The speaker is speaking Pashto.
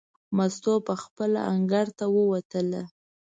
مستو پخپله انګړ ته ووتله.